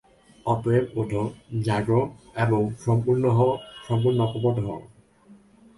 অতএব ওঠ, জাগো এবং সম্পূর্ণ অকপট হও।